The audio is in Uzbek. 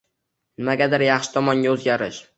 Nimagadir yaxshi tomonga o’zgarish